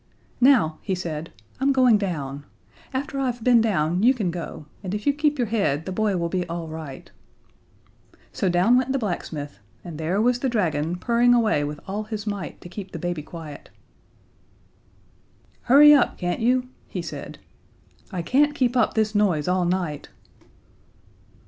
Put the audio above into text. "Now," he said, "I'm going down. After I've been down you can go, and if you keep your head the boy will be all right." So down went the blacksmith, and there was the dragon purring away with all his might to keep the baby quiet. "Hurry up, can't you?" he said. "I can't keep up this noise all night."